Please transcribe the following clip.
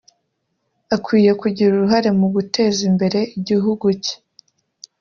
akwiye kugira uruhare mu guteza imbere igihugu cye